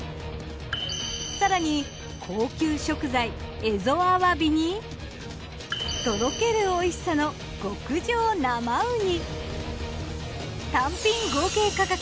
更に高級食材えぞあわびにとろけるおいしさの極上生ウニ。